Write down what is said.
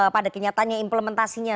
pada kenyataannya implementasinya